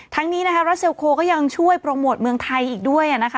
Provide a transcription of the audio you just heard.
นี้นะคะรัสเซลโคก็ยังช่วยโปรโมทเมืองไทยอีกด้วยนะคะ